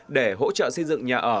để hỗ trợ xây dựng nhà ở